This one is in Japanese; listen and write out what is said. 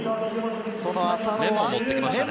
メモを持ってきましたね。